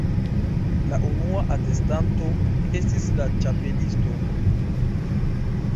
La unua atestanto estis la Ĉapelisto.